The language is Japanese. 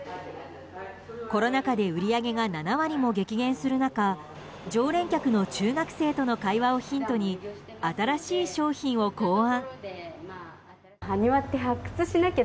コロナ禍で売り上げが７割も激減する中常連客の中学生との会話をヒントに新しい商品を考案。